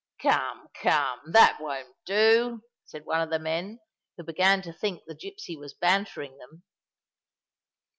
"Come, come—that won't do!" said one of the men, who began to think the gipsy was bantering them.